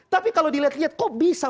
tapi kalau dilihat lihat kok bisa